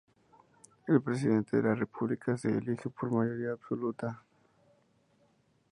El Presidente de la República se elige por mayoría absoluta.